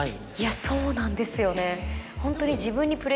いやそうなんですよね